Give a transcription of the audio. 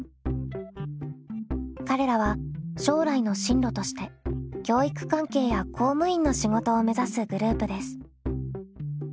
彼らは将来の進路として教育関係や公務員の仕事を目指すグループです。